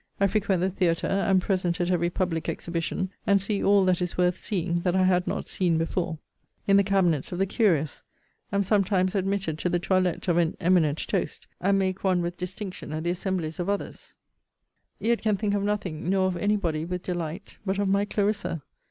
I frequent the theatre: am present at every public exhibition; and see all that is worth seeing, that I had not see before, in the cabinets of the curious: am sometimes admitted to the toilette of an eminent toast, and make one with distinction at the assemblies of others yet can think of nothing, nor of any body, with delight, but of my CLARISSA.